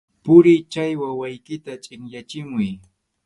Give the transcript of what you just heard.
¡Puriy, chay wawaykita chʼinyachimuy!